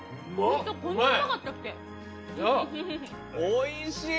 おいしい。